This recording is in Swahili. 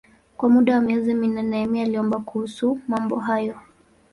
Kwa muda wa miezi minne Nehemia aliomba kuhusu mambo hayo.